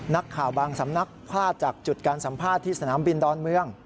บางสำนักพลาดจากจุดการสัมภาษณ์ที่สนามบินดอนเมือง